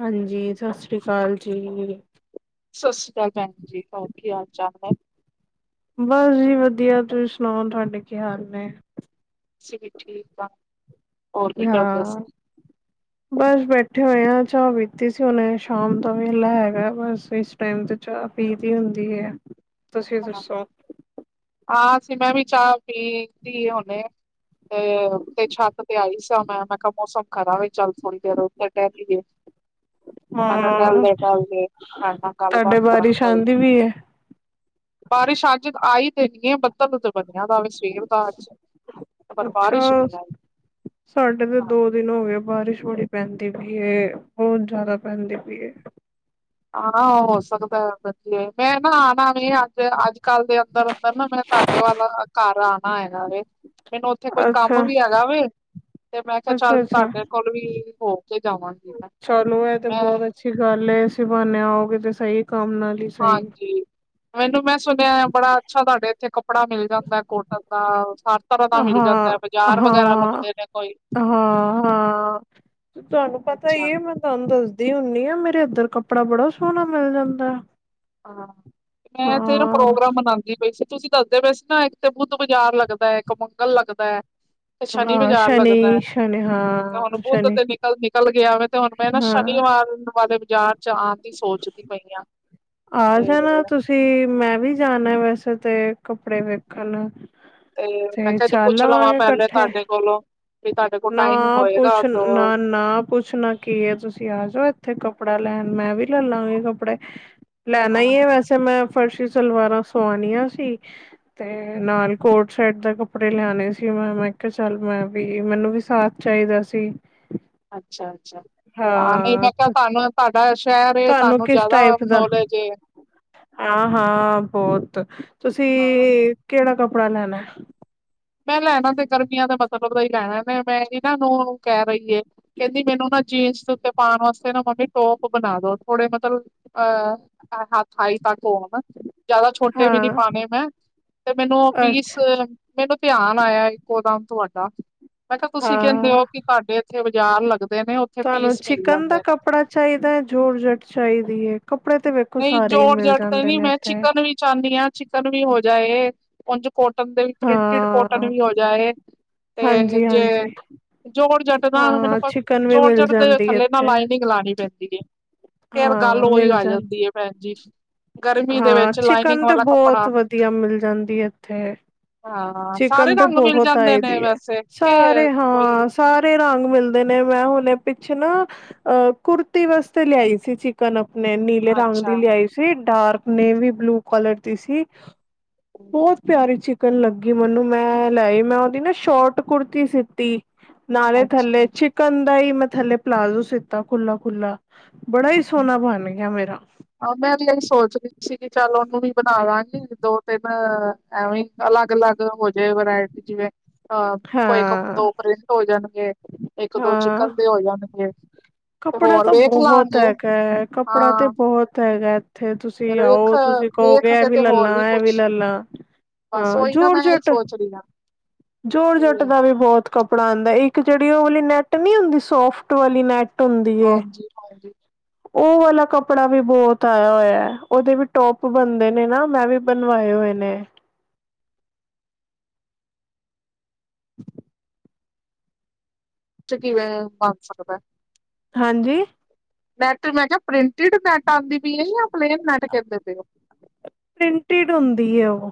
ਹਾਂਜੀ, ਸਤਿ ਸ੍ਰੀ ਅਕਾਲ ਜੀ ਸਤਿ ਸ੍ਰੀ ਅਕਾਲ ਭੈਣ ਜੀ, ਹੋਰ ਕੀ ਹਾਲ -ਚਾਲ ਹੈ? ਬਸ ਜੀ ਵਧੀਆ, ਤੁਸੀਂ ਸੁਣਾਓ ਤੁਹਾਡੇ ਕੀ ਹਾਲ ਨੇ? ਅਸੀਂ, ਵੀ ਠੀਕ ਆ ਹਾਂ [inaudible] ਬਸ ਬੈਠੇ ਹੋਏ ਆ, ਚਾਹ ਪੀਤੀ ਸੀ ਹੁਣੇ, ਸ਼ਾਮ ਦਾ ਵੇਲਾ ਹੈਗਾ, ਬਸ ਇਸ ਟਾਈਮ ਤੇ, ਚਾਹ ਪੀ ਲਈ ਹੁੰਦੀ ਹੈ। [inaudible] ਤੁਸੀਂ ਦੱਸੋ? ਹਾਂ ਅਸੀਂ ਮੈਂ ਵੀ ਚਾਹ ਪੀਤੀ ਉਹਨੇ ਤੇ ਤੇ ਛੱਤ ਤੇ ਆਈ ਸੀ, ਮੈਂ ਮੈਂ ਕਿਹਾ ਮੌਸਮ ਖਰਾ ਵੇ ਚੱਲ ਥੋੜੀ ਦੇਰ ਉੱਥੇ ਟਹਿਲੀਏ ਮੈਂ ਕਿਹਾ ਹਾਂ, ਕਹਿੰਦੇ ਪਏ ਸੀ, ਤੁਹਾਡੇ ਨਾਲ ਗੱਲਬਾਤ ਤੁਹਾਡੇ ਕਰਾਂ ਬਾਰਿਸ਼ ਕੋਈ। ਆਂਦੀ ਵੀ, ਬਾਰਿਸ਼ ਅੱਜ ਆਈ ਤੇ ਨੀ ਹੈ, ਬੱਦਲ ਬਣਿਆ ਦਾ ਵੀ ਸਵੇਰ ਦਾ ਅੱਜ, ਪਰ ਬਾਰਿਸ਼ ਅੱਛਾ। ਨਹੀਂ ਆਈ। ਸਾਡੇ ਤੇ ਦੋ ਦਿਨ ਹੋ ਗਏ ਬਾਰਿਸ਼ ਬੜੀ ਪੈਂਦੀ ਪਈ ਏ, ਬਹੁਤ ਜ਼ਿਆਦਾ ਪੈਂਦੀ ਪਈ। ਹਾਂ ਹੋ ਸਕਦਾ ਵਧੀਆ ਮੈਂ ਨਾ ਆਉਣਾ ਵੀ, ਅੱਜ-ਅੱਜ-ਕੱਲ੍ਹ ਦੇ ਅੰਦਰ। ਨਾ ਮੈਂ ਤੁਹਾਡੇ ਵੱਲ ਘਰ ਆਉਣਾ ਹੈਗਾ ਵੇ, ਮੈਨੂੰ ਉੱਥੇ ਕੋਈ ਅੱਛਾ, ਕੰਮ ਵੀ ਹੈਗਾ ਵੇ। ਤੇ ਮੈਂ ਕਿਹਾ, ਚੱਲ ਅੱਛਾ-ਅੱਛਾ, ਤੁਹਾਡੇ ਕੋਲ ਵੀ ਹੋ ਕੇ ਜਾਵਾਂਗੀ ਤਾਂ। ਚਲੋ ਤੇ ਬਹੁਤ ਅੱਛੀ ਗੱਲ ਸੀ, ਬਹਾਨੇ ਆਓਗੇ ਤੇ ਸਹੀ ਕੰਮ ਨਾਲ ਹੀ ਸਹੀ। ਹਾਂਜੀ ਮੈਨੂੰ ਮੈਂ ਸੁਣਿਆ ਹੈ, ਬੜਾ ਅੱਛਾ ਤੁਹਾਡੇ ਇੱਥੇ ਕੱਪੜਾ ਮਿਲ ਜਾਂਦਾ ਕੋਟਨ ਆਹ, ਹਾਂ, ਹਾਂ, ਹਾਂ, ਨੇ ਕੋਈ ਹਾਂ। ਤੁਹਾਨੂੰ ਪਤਾ ਅੱਛਾ ਹੀ ਹੈ ਮਤਲਬ, ਤੁਹਾਨੂੰ ਦੱਸਦੀ ਹੁੰਦੀ ਆ, ਮੇਰੇ ਅੱਧਰ ਕੱਪੜਾ ਬੜਾ ਸੋਹਣਾ ਮਿਲ ਜਾਂਦਾ ਹਾਂ ਮੈਂ ਫੇਰ ਹਾਂ ਪ੍ਰੋਗਰਾਮ ਮਨਾਉਂਦੀ ਤੁਸੀਂ ਦੱਸਦੇ ਪਏ ਸੀ, ਨਾ ਇੱਕ ਤੇ ਬੁੱਧ ਬਾਜ਼ਾਰ ਲੱਗਦਾ, ਇੱਕ ਮੰਗਲ ਲੱਗਦਾ ਹੈ ਸੰਨੀ ਹਾਂ ਬਾਜ਼ਾਰ ਲੱਗਦਾ ਹੈ, ਸ਼ਨੀ ਸ਼ਨੀ ਤੇ ਹੁਣ ਹਾਂ ਬੁੱਧ ਸ਼ਨੀ ਤੇ ਵੀ ਕੱਲ ਨਿਕਲ ਗਿਆ ਵਾ, ਤੇ ਹੁਣ ਮੈਂ ਨਾ ਹਾਂ ਸ਼ਨੀਵਾਰ ਵਾਲੇ ਬਾਜ਼ਾਰ ਚ ਆਉਣ ਦੀ ਸੋਚਦੀ ਪਈ ਹਾਂ ਆ ਜਾਣਾ ਤੁਸੀਂ, ਮੈਂ ਵੀ ਜਾਣਾ ਵੈਸੇ ਤੇ ਕੱਪੜੇ ਵੇਖਣ ਮੈਂ ਤੇ ਕਿਹਾ ਜੇ ਚੱਲ ਪੁੱਛ ਲਵਾਂ ਆਵਾਂਗੇ ਪਹਿਲੇ ਇਕੱਠੇ, ਤੁਹਾਡੇ ਕੋਲੋਂ ਵੀ ਤੁਹਾਡੇ ਕੋਲ ਨਾ ਟਾਈਮ ਹੋਏਗਾ ਪੁੱਛ ਤੋ ਨਾ, ਨਾ, ਪੁੱਛਣਾ ਕੀ ਹੈ, ਤੁਸੀਂ ਆ ਜਾਓ ਇੱਥੇ ਕੱਪੜਾ ਲੈਣ ਮੈਂ ਵੀ। ਲੈ ਲਾਂਗੇ, ਕੱਪੜੇ ਲੈਣਾ ਹੀ ਹੈ ਵੈਸੇ, ਤੇ ਮੈਂ ਫਰਸ਼ੀ ਸਲਵਾਰਾਂ ਸੁਵਾ ਆਣੀਆਂ ਸੀ। ਤੇ ਨਾਲ ਕੋਰਡ ਸੈੱਟ ਦੇ ਕੱਪੜੇ ਲਿਆਣੇ ਸੀ, ਮੈਂ ਮੈਂ ਕਿਹਾ ਚੱਲ ਮੈਂ ਵੀ ਮੈਨੂੰ ਵੀ ਸਾਥ ਚਾਹੀਦਾ ਸੀ। ਅੱਛਾ, ਅੱਛਾ। ਹਾਂ ਨਹੀਂ ਮੈਂ ਕਿਹਾ, ਤੁਹਾਨੂੰ ਤੁਹਾਡਾ ਸ਼ਹਿਰ ਏ ਤੁਹਾਨੂੰ ਜਿਆਦਾ ਨੌਲੇਜ ਆਹ ਹਾਂ, ਬਹੁਤ ਤੁਸੀਂ ਹਾਂ ਕਿਹੜਾ ਕੱਪੜਾ ਲੈਣਾ? ਮੈਂ ਲੈਣਾ ਤੇ ਗਰਮੀਆਂ ਦੇ ਮਤਲਬ ਦਾ ਹੀ ਲੈਣਾ, ਨੇ ਮੈਂ ਇਹਨਾਂ ਨੂੰਹ ਕਹਿ ਰਹੀ ਹੈ। ਕਹਿੰਦੀ ਮੈਨੂੰ ਨਾ ਜੀਨਸ ਦੇ ਉੱਤੇ ਪਾਉਣ, ਵਾਸਤੇ ਨਾ ਮੰਮੀ ਟੋਪ ਬਣਾ ਦੋ ਥੋੜੇ ਮਤਲਬ ਅਹ ਹਾਂ ਅਠਾਈ ਦਾ ਕੌਮ, ਜਿਆਦਾ ਛੋਟੇ ਵੀ ਨੀ ਹਾਂ ਪਾਉਣੇ, ਮੈਂ ਤੇ ਮੈਨੂੰ ਉਹ ਪੀਸ ਅੱਛਾ ਮੈਨੂੰ ਧਿਆਨ ਆਇਆ, ਇੱਕੋ ਦਮ ਤੁਹਾਡਾ ਮੈਂ ਕਿਹਾ ਤੁਸੀਂ ਕਹਿੰਦੇ ਹਾਂ ਹੋ, ਕਿ ਤੁਹਾਡੇ ਇੱਥੇ ਬਾਜ਼ਾਰ ਲੱਗਦਾ। ਨੇ ਉੱਥੇ ਤੁਹਾਨੂੰ ਪੀਸ ਮਿਲ ਚਿਕਨ ਜਾਂਦੇ ਦਾ ਨੇ, ਕੱਪੜਾ ਚਾਹੀਦਾ ਹੈ, ਜ਼ੋਰ ਜੱਟ ਚਾਹੀਦੀ ਹੈ। ਕੱਪੜੇ ਤੇ। ਨਹੀਂ ਸਾਰੇ ਹੀ ਜੋੜ ਮਿਲ ਜਟ ਤੇ ਜਾਂਦੇ ਨੀ ਨੇ ਮੈਂ ਇੱਥੇ ਚਿਕਨ ਵੀ ਚਾਹੁੰਦੀ ਹਾਂ। ਚਿਕਨ ਵੀ ਹੋ ਜਾਏ ਉਝ। ਕੋਟਨ ਦੇ ਪ੍ਰਿੰਟਡ ਕੋਟਨ ਹਾਂ ਵੀ ਹੋ ਜਾਏ ਤੇ ਹਾਂਜੀ ਜੇ। ਹਾਂਜੀ ਜੀਉਰ ਜੱਟ ਨਾ ਮੈਨੂੰ ਹਾਂ ਚਿਕਨ ਵੀ ਜੀਉਰ ਮਿਲ ਜਟ ਦੇ ਜਾਂਦੀ ਥੱਲੇ ਨਾਲ ਇੱਥੇ ਲਾਈਨਿੰਗ ਲਾਉਣੀ ਪੈਂਦੀ। ਫਿਰ ਗੱਲ ਹਾਂ ਓਹੀ ਮਿਲ ਆ ਜਾਂ ਜਾਂਦੀ ਹੈ, ਭੈਣ ਜੀ। ਗਰਮੀ ਦੇ ਹਾਂ ਵਿੱਚ ਲਾਈਨਿੰਗ ਚਿਕਨ ਤੇ ਵਾਲਾ ਕੱਪੜਾ ਬਹੁਤ ਵਧੀਆ ਮਿਲ ਜਾਂਦੀ ਇੱਥੇ ਹਾਂ ਸਾਰੇ ਚਿਕਨ ਤੇ ਰੰਗ ਮਿਲ ਬਹੁਤ ਜਾਂਦੇ ਆਏ ਨੇ ਦੀ ਹੈ, ਵੈਸੇ ਕੇ ਸਾਰੇ ਕੋਈ ਹਾਂ। ਸਾਰੇ ਰੰਗ ਮਿਲਦੇ ਨੇ, ਮੈਂ ਹੁਣੇ ਪਿੱਛੇ ਨਾ ਅਹ ਕੁੁੜਤੀ ਵਾਸਤੇ ਲਿਆਈ ਸੀ ਚ ਕੱਲ ਨੇ ਨੀਲੇ ਰੰਗ ਅੱਛਾ। ਦੀ ਲਿਆਈ ਸੀ, ਡਾਰਕ ਨੇ ਵੀ ਬਲੂ ਕਲਰ ਦੀ ਸੀ। ਬਹੁਤ ਪਿਆਰੀ ਚਿਕਨ ਲੱਗੀ, ਮੈਨੂੰ ਮੈਂ ਲਏ ਨਾ ਮੈਂ ਉਹਦੀ ਨਾ ਸ਼ੋਟ ਕੁੜਤੀ ਸੀਤੀ। ਨਾਲੇ ਅੱਛਾ ਥੱਲੇ ਚਿਕਨ ਦਾ ਹੀ ਮੈਂ ਥੱਲੇ ਪਲਾਜ਼ੋ, ਸਿੱਤਾ ਖੁੱਲਾ-ਖੁੱਲਾ। ਬੜਾ ਹੀ ਸੋਹਣਾ ਬਣ ਗਿਆ ਮੇਰਾ, ਆਹ ਮੈਂ ਵੀ ਇਹੀ ਸੋਚਦੀ ਸੀਗੀ ਚੱਲ ਉਹਨੂੰ ਵੀ ਬਣਾ ਦਾਂਗੀ ਦੋ ਤਿੰਨ। ਐਵੇਂ ਅਲੱਗ ਅਲੱਗ ਹੋ ਜੇ ਵਰਾਇਟੀ ਜਿਵੇਂ। ਹਾਂ ਕੋਈ ਇੱਕ ਹਾਂ ਦੋ ਪ੍ਰਿੰਟ ਹੋ ਜਾਣਗੇ ਇੱਕ ਦੋ ਹਾਂ ਚਿਕਨ ਦੇ ਹੋ ਜਾਣਗੇ। ਤੇ ਕੱਪੜਾ ਹੋਰ ਤਾਂ ਵੇਖ ਬਹੁਤ ਲਾਂਗੇ ਹੈਗਾ ਹੈ ਕੱਪੜਾ ਹਾਂ ਤੇ ਬਹੁਤ ਹੈਗਾ। ਇੱਥੇ ਤੁਸੀਂ ਫਿਰ ਵੇਖ ਆਓ, ਤੁਸੀਂ ਕਹੋਗੇ, ਐ ਵੇਖਦੇ ਵੀ ਤੇ ਲੈ ਹੋਰ ਲਾ ਐ ਵੀ ਕੁਛ ਲੈ ਲਾ। ਬਸ ਹਾਂ ਉਹੀ ਨਾ ਜ਼ੋਰ ਮੈਂ ਇਹੀ ਜਟ ਸੋਚ ਰਹੀ ਹਾਂ ਜ਼ੋਰ ਕਿ ਜਟ ਦਾ ਵੀ ਬਹੁਤ। ਕੱਪੜਾ ਆਉਂਦਾ ਇੱਕ ਜਿਹੜੀ ਉਹ ਵਾਲੀ ਨੈੱਟ ਨੀ ਹੁੰਦੀ ਸੋਫਟ ਵਾਲੀ ਨੈੱਟ। ਹਾਂਜੀ ਹਾਂਜੀ। ਉਹ ਵਾਲਾ ਕੱਪੜਾ ਵੀ ਬਹੁਤ ਆਇਆ ਹੋਇਆ। ਉਹਦੇ ਵੀ ਟੋਪ ਬਣਦੇ ਨੇ ਨਾ ਮੈਂ ਵੀ। ਬਣਵਾਏ ਹੋਏ ਨੇ। ਚ ਕਿਵੇਂ ਬਣ ਸਕਦਾ। ਹਾਂਜੀ। ਨੈੱਟ ਮੈਂ ਕਿਹਾ ਪ੍ਰਿੰਟਿਡ ਨੈਟ ਆਉਂਦੀ ਪਈ ਹੈ ਜਾਂ ਪਲੇਨ ਨੈਟ ਕਹਿੰਦੇ ਪਏ ਉਹ। ਪ੍ਰਿੰਟਿਡ ਹੁੰਦੀ ਹੈ ਉਹ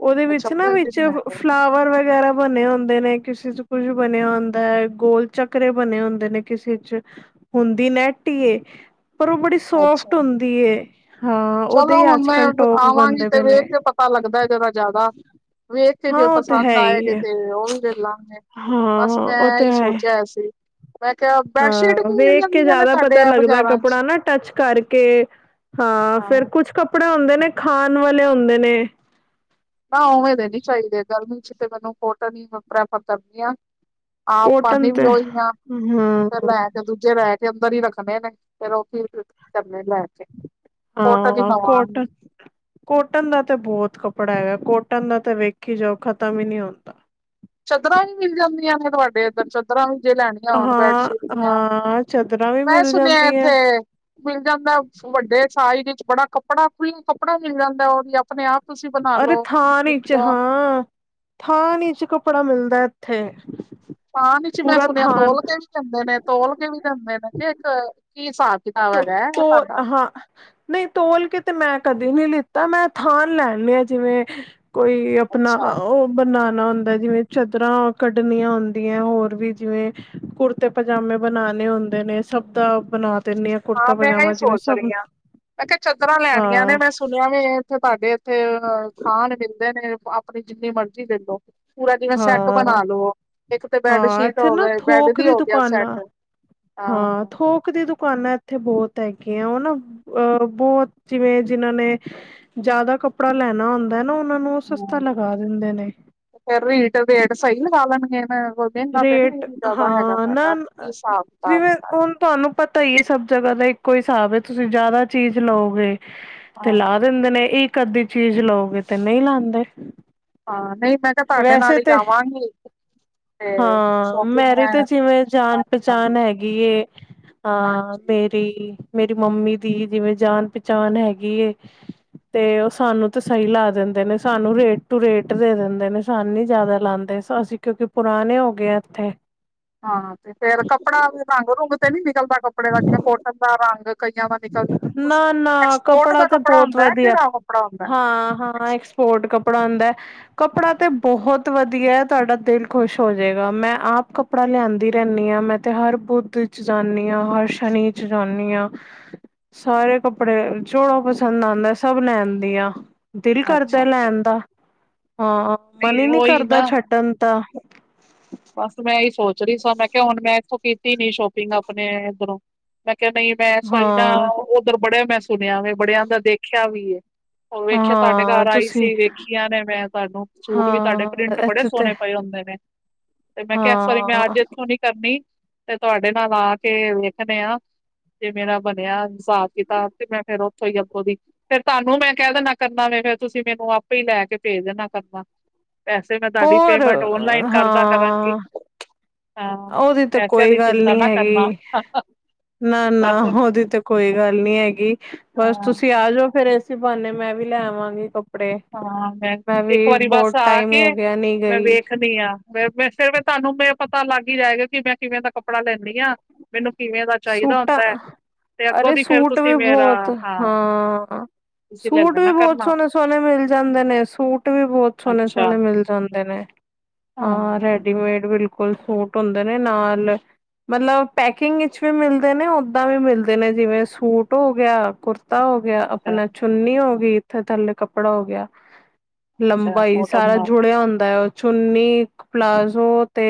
ਉਹਦੇ ਅੱਛਾ ਵਿੱਚ ਨਾ ਪ੍ਰਿੰਟਡ ਵਿੱਚ ਨੈਟ ਫਲਾਵਰ ਵਗੈਰਾ। ਬਣੇ ਹੁੰਦੇ ਨੇ ਕਿਸੇ ਚ ਕੁੱਝ ਬਣਿਆ ਹੁੰਦਾ ਹੈ ਗੋਲ ਚੱਕਰੇ ਬਣੇ ਹੁੰਦੇ ਨੇ ਕਿਸੀ ਚ। ਹੁੰਦੀ ਨੈਟ ਹੀ ਏ ਪਰ ਉਹ ਬੜੀ ਅੱਛਾ ਸੋਫਟ ਹੁੰਦੀ ਏ। ਹਾਂ, ਉਹਦੇ ਚਲੋ ਹੀ ਹੁਣ ਅੱਜ ਮੈਂ ਕੱਲ੍ਹ ਟੋਪ ਆਵਾਂਗੀ ਬਣਦੇ ਤੇ ਪਏ ਵੇਖ ਨੇ। ਕੇ ਪਤਾ ਲੱਗਦਾ ਜਰਾ ਜ਼ਿਆਦਾ ਵੇਖ ਕੇ ਹਾਂ ਜੇ ਉਹ ਤੇ ਪਸੰਦ ਹੈ ਆਏ ਹੀ ਜੇ ਹੈ ਤੇ ਉਹ ਵੀ ਵੇਖ ਲਾਂਗੇ। ਬਸ ਹਾਂ ਉਹ ਮੈਂ ਤੇ ਹੀ ਹੈ ਸੋਚਿਆ ਸੀ ਮੈਂ ਕਿਹਾ। ਬੈਡਸ਼ੀਟ ਹਾਂ ਵੀ ਮਿਲ ਵੇਖ ਕੇ ਜਾਂਦੀਆਂ ਨੇ ਜ਼ਿਆਦਾ ਤੁਹਾਡੇ ਪਤਾ ਆ ਲੱਗਦਾ ਬਾਜ਼ਾਰਾਂ ਚ ਕੱਪੜਾ ਨਾ ਟੱਚ ਕਰਕੇ। ਹਾਂ ਫੇਰ ਕੁਛ ਕੱਪੜੇ ਹੁੰਦੇ ਨੇ ਖਾਣ ਵਾਲੇ ਹੁੰਦੇ ਨੇ। ਨਾ ਉਵੇਂ ਦੇ ਨੀ ਚਾਹੀਦੇ ਗਰਮੀ ਚ ਤੇ ਮੈਨੂੰ ਕੋਟਨ ਹੀ ਪ੍ਰੈਫਰ ਕਰਨੀ ਆ। ਆਪ ਕੋਟਨ ਪਾਦੇ ਵੀ ਤੇ ਔਹੀ ਆ ਹਮ ਤੇ ਲੈ। ਦੂਜੇ ਲਹਿ ਕੇ ਅੰਦਰ ਹੀ ਰੱਖਣੇ ਨੇ ਫੇਰ ਉਹ ਕੀ ਕਰਨੇ ਲੈ ਕੇ। ਕੋਟਨ ਹੀ ਹਾਂ ਲਵਾਂਗੀ ਕੋਟਨ। ਕੋਟਨ ਦਾ ਤਾਂ ਬਹੁਤ ਕੱਪੜਾ ਹੈਗਾ ਕੋਟਨ ਦਾ ਤਾਂ ਵੇਖੀ ਜਾਓ ਖਤਮ ਹੀ ਨਹੀਂ ਹੁੰਦਾ। [inaudible] ਚਾਦਰਾਂ ਵੀ ਮਿਲ ਜਾਂਦੀਆਂ ਨੇ ਤੁਹਾਡੇ ਇੱਧਰ ਚਾਦਰਾਂ ਵੀ ਜੇ ਲੈਣੀਆਂ ਹੋਣ ਹਾਂ ਬੈਡਸ਼ੀਟ ਦੀਆਂ। ਹਾਂ ਚਾਦਰਾਂ ਵੀ ਮੈਂ ਮਿਲ ਸੁਣਿਆ ਜਾਂਦੀ ਇੱਥੇ। ਹੈ ਮਿਲ ਜਾਂਦਾ ਵੱਡੇ ਸਾਈਜ਼ ਵਿੱਚ ਬੜਾ ਕੱਪੜਾ [inaudible] ਕੱਪੜਾ ਮਿਲ ਜਾਂਦਾ ਵਧੀਆ ਆਪਣੇ ਆਪ ਤੁਸੀਂ ਬਣਾ ਅਰੇ ਲਓ ਥਾਣ ਚ ਵਿੱਚੋਂ ਹਾਂ ਥਾਣ ਚ ਕੱਪੜਾ ਮਿਲਦਾ ਇੱਥੇ। ਥਾਣ ਵਿੱਚ ਮੈਂ ਪੂਰਾ ਸੁਣਿਆ ਥਾਨ ਤੋਲ ਕੇ ਵੀ ਦਿੰਦੇ ਨੇ ਤੋਲ ਕੇ ਵੀ ਦਿੰਦੇ ਨੇ ਕਿ ਇੱਕ। ਕੀ ਹਿਸਾਬ ਕਿਤਾਬ ਹੈਗਾ ਹੈ ਤੋਲ ਤੁਹਾਡਾ। ਹਾਂ। ਨਹੀਂ ਤੋਲ ਕੇ ਤੇ ਮੈਂ ਕਦੇ ਨਹੀਂ ਲਿੱਤਾ ਮੈਂ ਥਾਨ ਲੈਣ ਲਿਆ ਜਿਵੇਂ। ਕੋਈ ਆਪਣਾ ਅੱਛਾ ਆਓ। ਬਣਾਉਣਾ ਹੁੰਦਾ ਜਿਵੇਂ ਚਾਦਰਾਂ ਕੱਢਣੀਆਂ ਹੁੰਦੀਆਂ ਹੋਰ ਵੀ ਜਿਵੇਂ। ਕੁੜਤੇ ਪਜਾਮੇ ਬਣਾਣੇ ਹੁੰਦੇ ਨੇ ਸਭ ਦਾ ਬਣਾ। ਦਿੰਦੀ ਆ ਹਾਂ ਕੁੜਤਾ ਮੈਂ ਇਹੀ ਪਜਾਮਾ ਜਿਵੇਂ ਸੋਚ ਸਭ ਰਹੀ ਹਾਂ ਮੈਂ ਕਿਹਾ ਚਾਦਰਾਂ ਲੈਣੀਆਂ ਨੇ ਹਾਂ ਮੈਂ ਸੁਣ। ਵੀ ਇੱਥੇ ਤੁਹਾਡੇ ਇੱਥੇ ਖਾਣ ਮਿਲਦੇ ਨੇ ਆਪਣੀ ਜਿੰਨੀ ਮਰਜ਼ ਦਲੋ ਪੂਰਾ ਜਿਵੇਂ ਸੈੱਟ ਹਾਂ ਬਣਾ ਲੋ ਇੱਕ ਤੇ ਹਾਂ ਬੈਡਸ਼ੀਟ ਇੱਥੇ ਹੋ ਨਾ ਗਏ ਬੈਡ ਥੋਕ ਦੀ ਹੋ ਗਿਆ ਦੁਕਾਨਾਂ ਸੈਟ। ਹਾਂ ਥੋਕ। ਥੋਕ ਦੀ ਦੁਕਾਨਾਂ ਇੱਥੇ ਬਹੁਤ ਹੈਗੀਆਂ ਹਨ ਉਹ ਨਾ ਬਹੁਤ ਜਿਵੇਂ ਜਿਨਾਂ ਨੇ। ਜ਼ਿਆਦਾ ਕੱਪੜਾ ਲੈਣਾ ਹੁੰਦਾ ਨਾ ਉਹਨਾਂ ਨੂੰ ਉਹ ਸਸਤਾ ਲਗਾ ਦਿੰਦੇ ਨੇ। ਫਿਰ ਰੇਟ ਸਹੀ ਲਗਾ ਲੈਣਗੇ? ਹੁਣ ਦਿਨ ਰਾਤ ਤਾਂ ਨਾ ਰੇਟ ਇਹੀ ਵਾ ਹੈਗਾ ਹਾਂ ਨਾ ਸਾਡਾ ਹਿਸਾਬ ਕਿਤਾਬ। ਜਿਵੇਂ ਹੁਣ ਤੁਹਾਨੂੰ ਪਤਾ ਹੀ ਇਹ ਸਭ ਜਗ੍ਹਾ ਦਾ ਇੱਕੋ ਹਿਸਾਬ ਹੈ ਤੁਸੀਂ ਜ਼ਿਆਦਾ ਚੀਜ਼ ਲਓਗੇ ਤੇ ਹਾਂ ਲਾ। ਦਿੰਦੇ ਨੇ ਇਹ ਅੱਧੀ ਚੀਜ਼ ਲਓਗੇ ਤੇ ਨਹੀਂ ਲਾਉਂਦੇ। ਹਾਂ ਨਹੀਂ ਮੈਂ ਕਿਹਾ ਤੁਹਾਡੇ ਨਾਲ ਹੀ ਜਾਵਾਂਗੀ। ਤੇ ਹਾਂ ਸ਼ੋਪਿੰਗ ਮੇਰੀ ਮੈਂ ਤਾਂ ਜਿਵੇਂ ਕਰਕੇ ਆਵਾਂ ਜਾਣ-ਪਹਿਚਾਣ ਹੈਗੀ ਏ ਹਾਂ ਹਾਂਜੀ ਤੇ ਤੇ ਮੇਰੀ ਮੰਮੀ ਦੀ ਜਿਵੇਂ ਜਾਣ ਪਹਿਚਾਣ ਹੈਗੀ ਏ। ਤੇ ਉਹ ਸਾਨੂੰ ਤੇ ਸਹੀ ਲਾ ਦਿੰਦੇ ਨੇ ਸਾਨੂੰ ਰੇਟ ਟੂ ਰੇਟ ਦੇ ਦਿੰਦੇ ਨੇ ਸਾਨੂੰ ਹੀ ਜਾਦਾ ਲਾਦੇ। ਅਸੀਂ ਕਿਉਂਕਿ ਪੁਰਾਣੇ ਹੋ ਗਏ ਹਾਂ ਇੱਥੇ। ਹਾਂ ਤੇ ਫੇਰ ਕੱਪੜਾ ਵੀ ਰੰਗ ਰੂੰਗ ਤੇ ਨੀ ਨਿਕਲਦਾ ਕੱਪੜੇ ਦਾ ਜਿਵੇਂ ਕੋਟਨ ਦਾ ਰੰਗ ਕਈਆਂ ਦਾ ਨਿ ਨਾ-ਨਾ ਕੱਪੜਾ ਤੇ ਬਹੁਤ ਹੁੰਦਾ ਹੈ ਵਧੀਆ ਕਿਹੜਾ ਕੱਪੜਾ ਹੁੰਦਾ ਹੈ? ਹਾਂ-ਹਾਂ। ਫੋਟ ਕੱਪੜਾ ਹੁੰਦਾ ਕੱਪੜਾ ਤੇ ਹਾਂ ਬਹੁਤ ਵਧੀਆ ਤੁਹਾਡਾ ਦਿਲ ਖੁਸ਼ ਹੋ ਜੇਗਾ ਮੈਂ ਆਪ ਕੱਪੜਾ ਲਿਆਂਦੀ ਰਹਿੰਦੀ ਹਾਂ ਮੈਂ ਤਾਂ ਹਰ ਬੁੱਧ ਚ ਜਾਨੀ ਹਾਂ ਹਰ ਸ਼ਨੀ ਚ ਜਾਨੀ ਹਾਂ। [inaudible] ਸਾਰੇ ਕੱਪੜੇ ਜੋ ਪਸੰਦ ਆਦਾ ਸਭ ਲੇਨ ਦੀ ਆ। ਦਿਲ ਅੱਛਾ ਕਰਦਾ ਅੱਛਾ ਲੈਣ ਦਾ ਹਾਂ ਮਨ ਹੀ ਨਹੀਂ ਉਹੀ ਕਰਦਾ ਨਾ ਛੱਡਣ ਦਾ। ਬਸ ਮੈਂ ਇਹੀ ਸੋਚ ਰਹੀ ਸਾਂ ਮੈਂ ਕਿਹਾ ਹੁਣ ਮੈਂ ਇੱਥੋਂ ਕੀਤੀ ਨੀ ਸ਼ੋਪਿੰਗ ਆਪਣੇ ਇਧਰੋਂ ਮੈਂ ਕਿਹਾ ਨਈ ਮੈਂ ਐਸ ਵਾਰੀ ਨਾ ਉੱਧਰ ਬੜਿਆ ਮੈਂ ਸੁਣਿਆ ਵੇ ਬੜਿਆਿਆਂ ਦਾ ਦੇਖਿਆ ਵੀ ਏ। ਉਹ ਵੇਖਿਆ ਤੁਹਾਡੇ ਹਾਂ-ਹਾਂ ਘਰ ਆਈ ਤੁਸੀਂ ਸੀ ਵੇਖੀਆਂ ਨੇ ਮੈਂ ਤੁਹਾਨੂੰ ਸੂਟ ਵੀ ਤੁਹਾਡੇ ਹਾਂ ਪ੍ਰਿੰਟ ਬੜੇ ਇੱਥੇ ਤੇ ਸੋਹਣੇ ਪਏ ਹੁੰਦੇ ਨੇ। ਤੇ ਮੈਂ ਕਿਹਾ ਇਸ ਵਾਰੀ ਮੈਂ ਹਾਂ ਅੱਜ ਇੱਥੋਂ ਨੀ ਕਰਨੀ ਤੇ ਤੁਹਾਡੇ ਨਾਲ ਆ ਕੇ ਵੇਖਨੇ ਆ। ਜੇ ਮੇਰਾ ਬਣਿਆ ਹਿਸਾਬ ਕਿਤਾਬ ਤੇ ਮੈਂ ਫੇਰ ਉਥੋਂ ਹੀ ਅੱਗੋਂ ਦੀ ਫੇਰ ਤੁਹਾਨੂੰ ਮੈਂ ਕਹਿ ਦਿਨਾ ਕਰਨਾ ਵੇ ਫਿਰ ਤੁਸੀਂ ਮੈਨੂੰ ਆਪੇ ਹੀ ਲੈ ਕੇ ਭੇਜ ਦੇਨਾ ਕਰਨਾ। ਪੈਸੇ ਮੈਂ ਤੁਹਾਡੀ ਹੋਰ ਪੇਮੈਂਟ ਔਨਲਾਈਨ ਹਾਂ ਹਾਂ ਉਹਦੀ ਤਾਂ ਪੈਸਿਆਂ ਕੋਈ ਦੀ ਗੱਲ ਚਿੰਤਾ ਨੀ ਨਾ ਕਰਨਾ ਹੈਗੀ। ਨਾ, ਨਾ ਬਸ ਓਦੀ ਤੇ ਕੋਈ ਗੱਲ ਨਹੀਂ ਹੈਗੀ ਬਸ ਹਾਂ ਤੁਸੀਂ ਆਜੋ ਫੇਰ ਏਸੀ ਬਹਾਨੇ ਮੈਂ ਵੀ ਲੈ ਆਵਾਗੀ ਕ ਹਾਂ ਮੈਂ ਇੱਕ ਵਾਰੀ ਬਸ ਆ ਟਾਈਮ ਕੇ ਹੋ ਗਿਆ ਨੀ ਮੈਂ ਗਈ ਵੇਖ ਨੀ ਹਾਂ ਫਿਰ ਤੁਹਾਨੂੰ ਮ ਪਤਾ ਲੱਗ ਹੀ ਜਾਏਗਾ ਕਿ ਮੈਂ ਕਿਵੇਂ ਦਾ ਕੱਪੜਾ ਲੈਨੀ ਹਾਂ ਮੈਨੂੰ ਕਿਵੇਂ ਦਾ ਚਾਹੀਦਾ ਸੂਟਾਂ ਹੁੰਦਾ ਤੇ ਅੱਗੋਂ ਅਰੇ ਦੀ ਫੇਰ ਸੂਟ ਵੀ ਤੁਸੀਂ ਮੇਰਾ ਬੋਹਤ ਹਾਂ ਤੁਸੀਂ ਲੈ ਸੂਟ ਵੀ ਲੈਣਾ ਬੋਹਤ ਕਰਨਾ ਸੋਹਣੇ ਸੋਹਨੇ ਮਿਲ ਜਾਂਦੇ ਨੇ ਸੂਟ ਵੀ ਬਹੁਤ ਸੋਹਨੇ ਅੱਛਾ ਸੋਹਨੇ ਮਿਲ ਜਾਂਦੇ ਨੇ। ਹਾਂ ਰੈਡੀਮੇਡ ਬਿਲ ਫੁੱਲ ਸੂਟ ਹੁੰਦੇ ਨੇ ਨਾਲ ਮਤਲਬ ਪੈਕਿੰਗ ਇਚ ਵੀ ਮਿਲਦੇ ਨੇ ਓਦਾਂ ਵੀ ਮਿਲਦੇ ਨੇ ਜਿਵੇਂ ਸੂਟ ਹੋ ਗਿਆ, ਕੁਰਤਾ ਹੋ ਗਿਆ ਅੱਛਾ ਆਪਣਾ ਚੁੰਨੀ ਹੋ ਗਈ ਤੇ ਥੱਲੇ ਕੱਪੜਾ ਹੋ ਗਿਆ ਅੱਛਾ ਲੰਬਾ ਹੀ ਕੋਟਨ ਸਾਰਾ ਦਾ ਜੁੜਿਆ ਹੁੰਦਾ ਹੈ। ਚੂੰਨੀ ਪਲਾਜ਼ੋ ਤੇ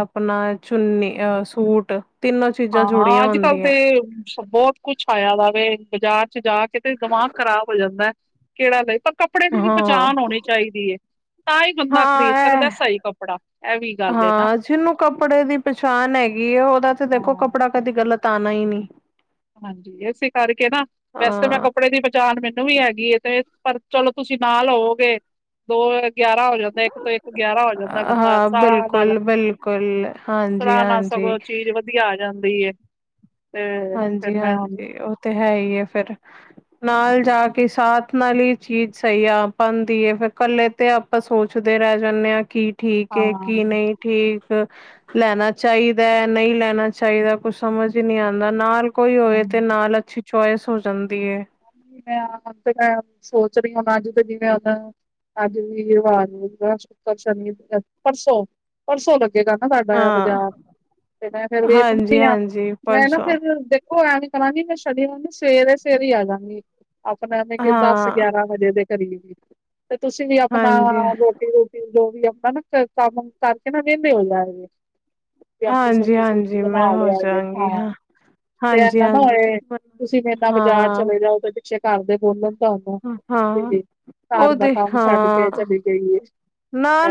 ਆਪਣਾ ਚੁੰਨੀ ਅ ਸੂਟ ਤਿੰਨੋ ਚ ਹਾਂ ਅੱਜ ਕੱਲ੍ਹ ਤੇ ਬਹੁਤ ਕੁਛ ਆਇਆ ਵਾ ਵੇ ਬਾਜ਼ਾਰ ਚ ਜਾ ਕੇ ਤੇ ਦਿਮਾਗ ਖ਼ਰਾਬ ਹੋ ਜਾਂਦਾ ਕਿਹੜਾ ਲਈ ਕੱਪੜੇ ਦੀ ਵੀ ਹਾਂ ਪਾਚਨ ਹੋਣੀ ਚਾਹੀਦੀ ਏ। ਤਾਂ ਹੀ ਬੰਦਾ ਹਾਂ ਖਰੀਦ ਸਕਦਾ ਇਹ ਸਹੀ ਕੱਪੜਾ ਇਹ ਵੀ ਗੱਲ ਏ ਨਾ। ਹਾਂ ਜਿਹਨੂੰ ਕੱਪੜੇ ਦੀ ਪਛਾਣ ਹੈਗੀ ਆ ਉਹਦਾ ਤੇ ਦੇਖੋ ਹਾਂ ਕੱਪੜਾ ਕਦੀ ਗਲਤ ਆਣਾ ਹੀ ਨਹੀ ਹਾਂਜੀ ਇਸੇ ਕਰਕੇ ਨਾ ਵੈਸੇ ਮੈਂ ਕੱਪੜੇ ਦੀ ਪਚਾਣ ਮੈਨੂੰ ਵੀ ਹੈਗੀ ਏ ਤੇ ਪਰ ਚਲੋ ਤੁਸੀਂ ਨਾਲ ਹੋਵੋਗੇ ਦੋ ਹੋਰ ਗਿਆਰਾਂ ਹੋ ਜਾਂਦੇ। ਇੱਕ ਤੋਂ ਇੱਕ ਗਿਆਰਾ ਹੋ ਜਾਂਦਾ ਬੰਦਾ ਹਾਂ ਸਲਾਹ ਨਾਲ ਬਿਲਕੁਲ ਬਿਲਕੁਲ ਹਾਂਜੀ ਸਲਾਹ ਨਾਲ ਹਾਂਜੀ ਸਗੋਂ ਚੀਜ਼ ਵਦ ਵਧੀਆ ਜਾਂਦੀ ਐ ਤੇ ਜੀ ਫਿਰ ਮੈਂ ਹੁਣ ਹਾਂਜੀ ਉਹ ਤੇ ਹੈ ਹੀ ਹੈ ਫਿਰ ਨਾਲ ਜਾ ਕੇ ਸਾਥ ਨਾਲ ਹੀ ਚੀਜ਼ ਸਹੀ ਆ ਪਾਂਦੀ ਹੈ ਫਿਰ ਕੱਲੇ ਤੇ ਆਪਾਂ ਸੋਚਦੇ ਰਹਿ ਜਾਂਦੇ ਹਾਂ ਕੀ ਠੀਕ ਏ ਕੀ ਨਈ। ਠੀਕ ਲੈਣਾ ਚਾਹੀਦਾ ਨਈ ਲੈਣਾ ਚਾਹੀਦਾ ਕੁਛ ਸਮਝ ਹੀ ਨਹੀਂ ਆਦਾ ਨਾਲ ਕੋਈ ਹੋਏ ਹਾਂ ਤੇ ਨਾਲ ਅੱਛੀ ਚੁਆਇਸ ਹੋ ਜਾਂਦੀ ਹੈ। ਤੇ ਮੈਂ ਆਪ ਤੇ ਮੈ ਆਪ ਸੋਚ ਰਹੀ ਓਹ ਅੱਜ [unintelligible] ਅੱਜ ਵੀ ਰਿਵਾਜ਼ ਮਿਲਦਾ ਸ਼ੁਕਰ, ਸ਼ਨੀ ਪਰਸੋਂ, ਪਰਸੋਂ ਤਕ [unintelligible] ਹਾਂ ਬਾਜ਼ਾਰ ਤੇ ਮੈਂ ਫਿਰ ਹਾਂਜੀ ਵੇਖਨੀ ਆ ਹਾਂਜੀ ਮੈਂ ਨਾ ਪਰਸੋਂ ਫਿਰ ਉਹ ਐਵੇਂ ਕਰਾਗੀ ਮੈਂ ਸ਼ਨੀਵਾਰ ਨੂੰ ਸਵੇਰੇ- ਸਵੇਰੇ ਹੀ ਆ ਜਾਗੀ। ਅਪਣਾ ਵੇ ਕਿ ਹਾਂ ਦਸ-ਗਿਆਰਾਂ ਵਜੇ ਦੇ ਕਰੀਬ, ਤੇ ਤੁਸੀਂ ਵੀ ਅਪਣਾ ਹਾਂਜੀ ਰੋਟੀ ਰੋਟੀ ਜੋ ਵੀ ਅਪਣਾ ਨਾ ਕੰਮ ਕਰਕੇ, ਨਾ ਵੇਲੇ ਹੋ ਜਾਣਗੇ। ਤੁਸੀਂ ਆਪਣੀ ਹਾਂਜੀ ਸਬਜ਼ੀ-ਸੁਬਜ਼ੀ ਹਾਂਜੀ ਬਣਾ ਮੈਂ ਹੋ ਲਯਾ ਦੇ ਜਾਗੀ ਹਾਂ। ਤੇ ਇਹ ਹਾਂਜੀ ਨਾ ਹਾਂਜੀ ਹੋਏ, ਤੁਸੀਂ ਮੇਰੇ ਨਾਲ ਬਾਜ਼ਾਰ ਹਾਂ ਚਲੇ ਜਾਓ ਤੇ ਪਿੱਛੇ ਘੱਰਦੇ ਬੋਲਣ ਘੱਰ ਹਾਂ ਦਾ ਉਹਦੇ ਕੰਮ ਛੱਡ ਹਾਂ ਕੇ ਚਲੀ ਗਈ ਏ।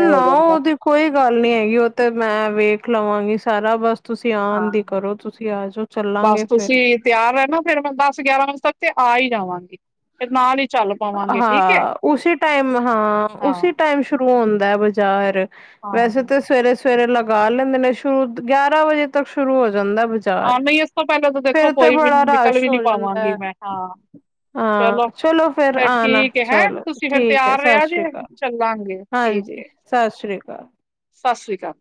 ਇਹ ਹੋ ਜਾਂਦਾ। ਉਹਦੀ ਕੋਈ ਗੱਲ ਨੀ ਹੈਗੀ, ਉਹ ਤੇ ਮੈਂ ਵੇਖ ਲਵਾਂਗੀ ਸਾਰਾ ਬਸ ਤੁਸੀਂ ਆਣ ਦੀ ਹਾਂ। ਕਰੋ, ਤੁਸੀਂ ਆ ਜਾਓ ਬਸ ਚੱਲਾਂਗੇ ਫਿਰ ਤੁਸੀਂ ਤਿਆਰ ਰਹਿਣਾ ਫੇਰ ਮੈਂ ਦਸ-ਗਿਆਰਾਂ ਵਜੇ ਤੱਕ ਤੇ ਆ ਹੀ ਜਾਵਾਂਗੀ, ਤੇ ਨਾਲ ਹੀ ਚੱਲ ਪਾਵਾਂਗੇ ਠੀਕ ਏ ਹਾਂ, ਉਸੀ ਟਾਈਮ ਹਾਂ, ਉਸੀ ਟਾਈਮ ਸ਼ੁਰੂ ਹੁੰਦਾ ਬਾਜ਼ਾਰ। ਹਾਂ। ਵੈਸੇ ਤਾਂ ਸਵੇਰੇ-ਸਵੇਰੇ ਲਗਾ ਲੈਂਦੇ ਨੇ, ਸ਼ੁਰੂ ਗਿਆਰਾਂ ਵਜੇ ਤੱਕ ਸ਼ੁਰੂ ਹੋ ਜਾਂਦਾ ਬ ਜਾਰ ਹਾਂ ਨਹੀਂ ਇਸ ਤੋਂ ਪਹਿਲਾਂ ਤਾਂ ਦੇਖੋ ਫਿਰ ਤੇ ਕੋਈ ਵੀ ਬੜਾ ਨਿਕਲ ਰਸ਼ ਵੀ ਨੀ ਹੋ ਪਾਵਾਂਗੀ ਜਾਂਦਾ। ਮੈਂ ਹਾਂ ਹਾਂ, ਚਲੋ। ਫਿਰ ਫੇਰ ਆਣਾ, ਠੀਕ ਹੈ ਹੈਂ ਚਲੋ ਤੁਸੀਂ ਫੇਰ ਠੀਕ ਹੈ ਤਿਆਰ ਸਤਿ ਰਿਹਾ ਸ਼੍ਰੀ ਜੇ ਅਕਾਲ, ਚੱਲਾਂਗੇ ਹਾਂਜੀ ਸਤਿ ਸ੍ਰੀ ਅਕਾਲ। ਸੱਸ ਸ਼੍ਰੀ ਕਾਲ